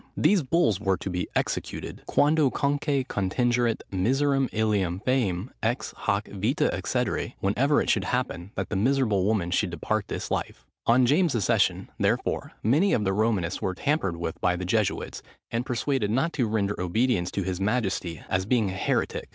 These bulls were to be executed, "Quandocunque contingeret miseram illam fœminam ex hac vitâ excedere,"—whenever it should happen that that miserable woman should depart this life. On James's accession, therefore, many of the Romanists were tampered with by the Jesuits, and persuaded not to render obedience to his majesty, as being a heretic.